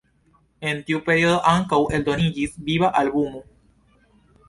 En tiu periodo ankaŭ eldoniĝis viva albumo.